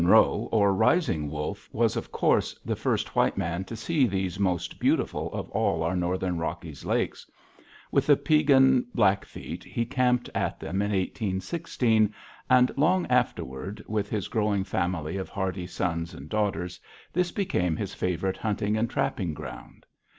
MARY'S LAKE] Hugh Monroe, or Rising Wolf, was, of course, the first white man to see these most beautiful of all our Northern Rockies lakes; with the Piegan Blackfeet he camped at them in 1816, and long afterward, with his growing family of hardy sons and daughters, this became his favorite hunting and trapping ground.